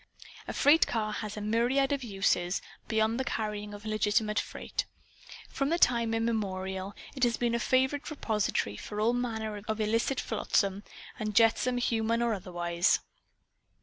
A freight car has a myriad uses, beyond the carrying of legitimate freight. From time immemorial, it has been a favorite repository for all manner of illicit flotsam and jetsam human or otherwise.